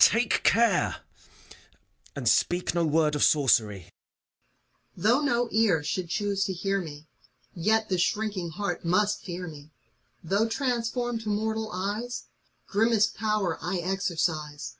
take care, and speak no word of sorcery! CARE. Though no ear should choose to hear me, Yet the shrinking heart must fear me : Though transformed to mortal eyes, GrinMnest power I exercise.